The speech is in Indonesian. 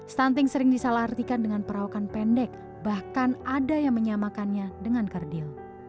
stunting sering disalah artikan dengan perawakan pendek bahkan ada yang menyamakannya dengan kerdil